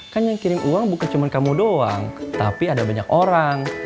kan yang kirim uang bukan cuma kamu doang tapi ada banyak orang